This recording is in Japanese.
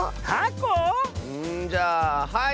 んじゃあはい！